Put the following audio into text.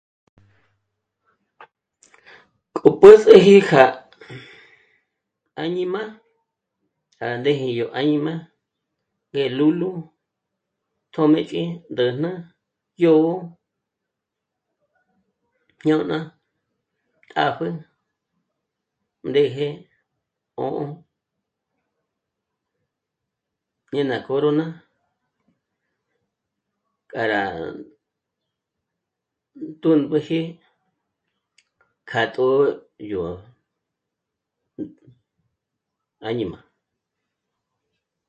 K'o pä̀s'eji já... áñima à ndéji yó áñima ñgé'e lúlu, tjö́mëch'i, ndä̂jnä, yó... jñôna, tàpjü, rë̀jë, 'ṑ'ō, ñé ná Corona k'a rá tùmbüji kja tjṑ'ō yó áñima